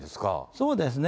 そうですね。